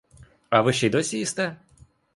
А ви ще й досі їсте?